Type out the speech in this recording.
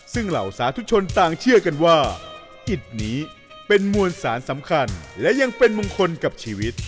ซึ่งเหล่าสาธุชนต่างเชื่อกันว่าอิตนี้เป็นมวลสารสำคัญและยังเป็นมงคลกับชีวิต